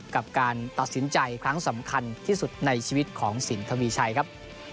กับการตัดสินใจครั้งสำคัญที่สุดในชีวิตของสินทวีชัยครับ